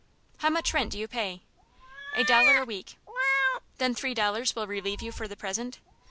"How much rent do you pay?" "A dollar a week." "Then three dollars will relieve you for the present?"